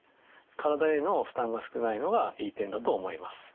体への負担が少ないのがいい点だと思います。